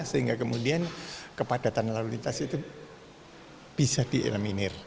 sehingga kemudian kepadatan lalu lintas itu bisa dieleminir